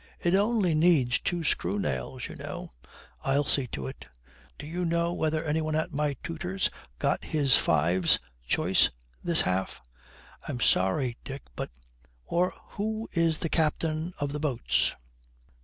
'It only needs two screw nails, you know.' 'I'll see to it.' 'Do you know whether any one at my tutors got his fives choice this half?' 'I'm sorry, Dick, but ' 'Or who is the captain of the boats?'